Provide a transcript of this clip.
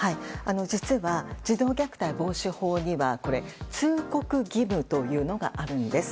実は、児童虐待防止法には通告義務というのがあるんです。